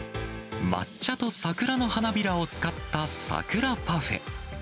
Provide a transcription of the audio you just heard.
抹茶と桜の花びらを使った桜パフェ。